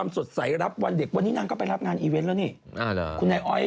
สดใสรับวันเด็กวันนี้นางก็ไปรับงานอีเวนต์แล้วนี่คุณนายอ้อย